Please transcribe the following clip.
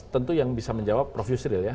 tentu yang bisa menjawab prof yusril ya